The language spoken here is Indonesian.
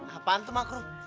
apaan tuh makruh